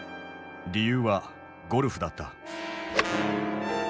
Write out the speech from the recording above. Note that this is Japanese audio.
理由はゴルフだった。